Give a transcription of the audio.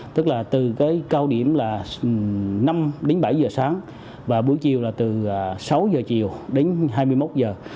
tức là từ cái cao điểm là năm đến bảy giờ sáng và buổi chiều là từ sáu giờ chiều đến hai mươi một giờ